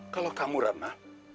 kalau kamu ratna